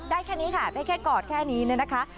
ได้แค่นี้ค่ะได้แค่กอดแค่นี้นะคะ